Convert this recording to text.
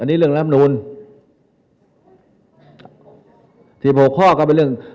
อันนี้เรื่องรัฐธรรมนุนที่โผล่ข้อก็เป็นเรื่อง